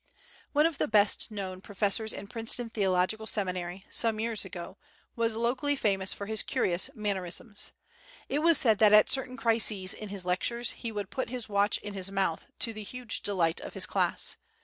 One of the best known professors in Princeton Theological Seminary, some years ago, was locally famous for his curious mannerisms. It was said that at certain crises in his lectures he would put his watch in his mouth, to the huge delight of his class.